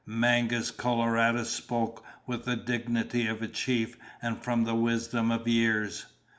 Mangus Coloradus spoke with the dignity of a chief and from the wisdom of years.